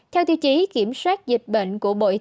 theo tiêu chí kiểm soát dịch bệnh